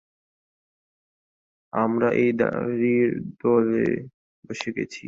আমরা সব দাঁড়ীর দলে বসে গেছি।